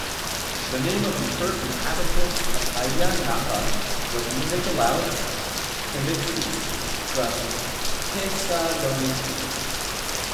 The name of the first inhabitant of Ayia Napa was Nikolaos Kemitzis from Thesaloniki.